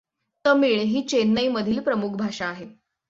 तमिळ ही चेन्नई मधील प्रमुख भाषा आहे.